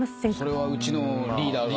それはうちのリーダーが。